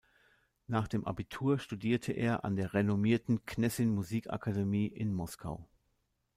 Nach dem Abitur studierte er an der renommierten Gnessin-Musikakademie in Moskau.